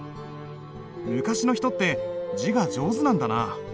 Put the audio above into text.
昔の人って字が上手なんだなあ。